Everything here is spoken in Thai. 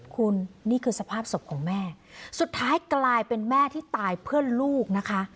คุณนี่คือสภาพศพของแม่สุดท้ายกลายเป็นแม่ที่ตายเพื่อลูกนะคะ